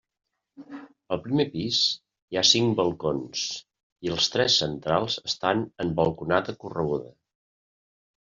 Al primer pis hi ha cinc balcons, i els tres centrals estan en balconada correguda.